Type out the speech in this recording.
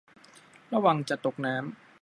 ระวังจะตกน้ำ